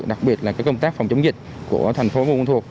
đặc biệt là công tác phòng chống dịch của thành phố buôn ma thuột